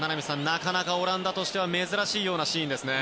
なかなかオランダとしては珍しいシーンですね。